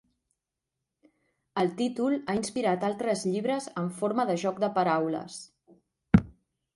El títol ha inspirat altres llibres en forma de joc de paraules.